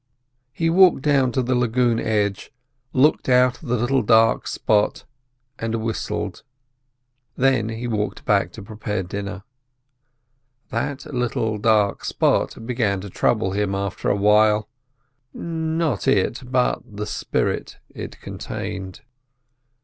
He walked down to the lagoon edge, looked at the little dark spot and whistled. Then he walked back to prepare dinner. That little dark spot began to trouble him after a while; not it, but the spirit it contained.